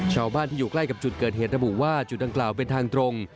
ชาวบ้านที่อยู่ใกล้กับจุดเกิดเหตุระบุว่าจุดดังกล่าวเป็นทางตรง